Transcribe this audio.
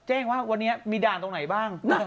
แจ้งว่าวันนี้มีด่านตรงไหนบ้าง